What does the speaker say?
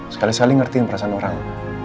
sekali saling ngertiin perasaan orang